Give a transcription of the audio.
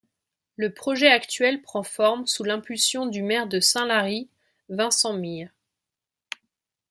Le projet actuel prend forme sous l'impulsion du maire de Saint-Lary, Vincent Mir.